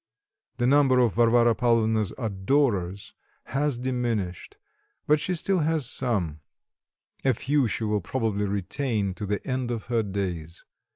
The number of Varvara Pavlovna adorers has diminished, but she still has some; a few she will probably retain to the end of her days.